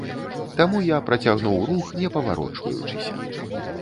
Таму я працягнуў рух, не паварочваючыся.